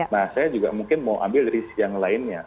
nah saya juga mungkin mau ambil dari yang lainnya